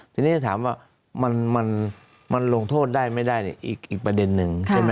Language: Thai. ทีนี้จะถามว่ามันลงโทษได้ไม่ได้เนี่ยอีกประเด็นนึงใช่ไหม